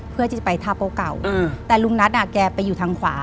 เพื่อที่จะไปท่าโป๊เก่าแต่ลุงนัทอ่ะแกไปอยู่ทางขวา